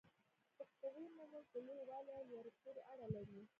د قوې مومنت په لوی والي او لوري پورې اړه لري.